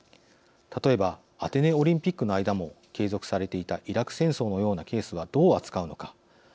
例えばアテネオリンピックの間も継続されていたイラク戦争のようなケースはどう扱うのか。